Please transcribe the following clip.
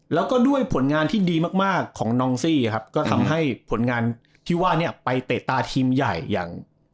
แล้วก็ด้วยผลงานที่ดีมากมากของนองซี่ครับก็ทำให้ผลงานที่ว่าเนี่ยไปเตะตาทีมใหญ่อย่าง